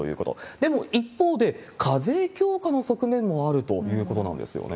でも一方で、課税強化の側面もあるということなんですよね。